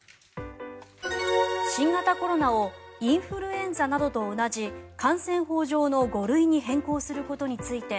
新型コロナをインフルエンザなどと同じ感染法上の５類に変更することについて